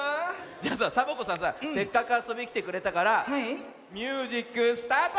じゃあさサボ子さんさせっかくあそびにきてくれたからミュージックスタート！